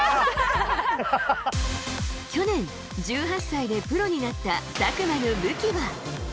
去年、１８歳でプロになった佐久間の武器は。